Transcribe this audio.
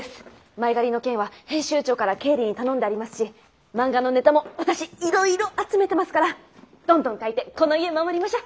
前借りの件は編集長から経理に頼んでありますし漫画のネタも私いろいろ集めてますからどんどん描いてこの家守りましょッ！